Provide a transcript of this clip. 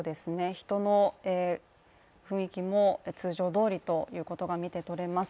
人の雰囲気も通常どおりということが見てとれます。